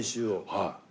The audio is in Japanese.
はい。